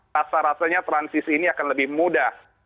rasa rasanya transisi ini akan lebih mudah